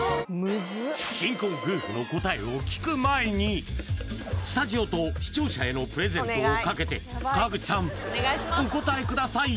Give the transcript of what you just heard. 新婚夫婦の答えを聞く前にスタジオと視聴者へのプレゼントをかけて川口さんお答えください